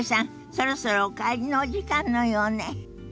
そろそろお帰りのお時間のようね。